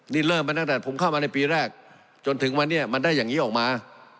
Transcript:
นี่เริ่มมาตั้งแต่ผมเข้ามาในปีแรกจนถึงวันนี้มันได้อย่างนี้ออกมา